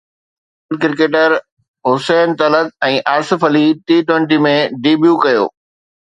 نوجوان cricketer Hussain Talat ۽ Asif Ali T twenty ۾ debut ڪيو